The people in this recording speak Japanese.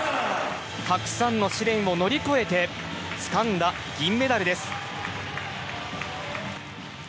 たくさんの試練を乗り越えてつかんだ銀メダルです。